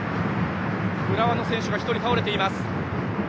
浦和の選手が１人倒れています。